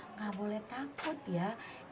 nggak boleh takut ya